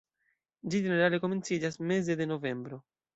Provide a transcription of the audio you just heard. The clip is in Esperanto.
Ĝi ĝenerale komenciĝas meze de novembro.